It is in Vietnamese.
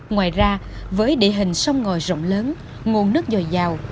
ngoài ra với địa hình sông ngòi rộng lớn nguồn nước dồi dào